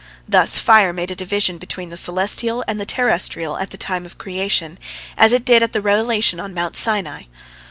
Thus fire made a division between the celestial and the terrestrial at the time of creation, as it did at the revelation on Mount Sinai.